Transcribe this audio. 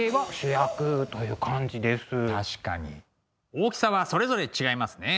大きさはそれぞれ違いますね。